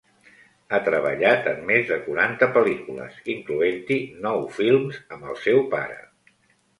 Ha treballat en més de quaranta pel·lícules, incloent-hi nou films amb el seu pare.